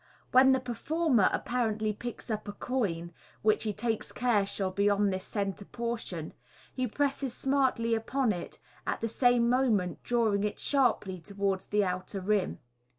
When the performer apparently picks up a coin (which he takes care shall be on this centre portion), he presses smartly upon it, at the same moment draw ing it sharply towards the outer rim.